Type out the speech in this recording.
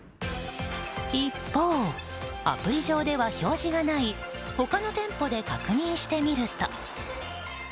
一方、アプリ上では表示がない他の店舗で確認してみると。